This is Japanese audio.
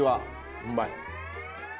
うまい。